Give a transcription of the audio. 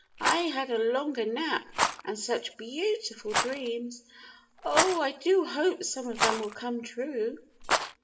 I had a longer nap, and such beautiful dreams! Oh, I do hope some of them will come true."